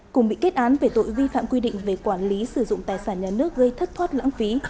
cùng bị kết án về tội vi phạm quy định về quản lý sử dụng tài sản nhà nước gây thất thoát lãng phí